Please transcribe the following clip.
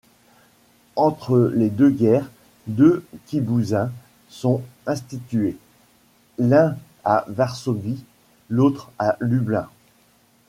Entre les deux guerres, deux Kibboutzim sont institués: l'un à Varsovie, l'autre à Lublin.